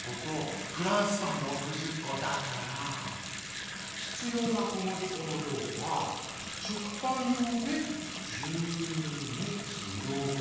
フランスパン６０こだからひつようなこむぎこの量は食パン用で１２ｋｇ。